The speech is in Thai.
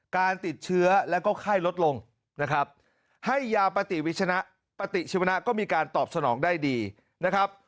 การติดเชื้อแล้วก็ไข้ลดลงนะครับให้ยาปฏิวิชนะปฏิชีวนะก็มีการตอบสนองได้ดีนะครับ